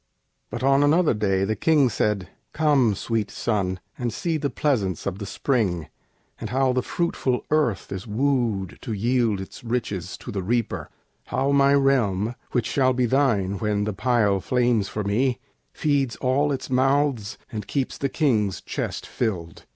But on another day the King said, "Come, Sweet son! and see the pleasaunce of the spring, And how the fruitful earth is wooed to yield Its riches to the reaper; how my realm Which shall be thine when the pile flames for me Feeds all its mouths and keeps the King's chest filled.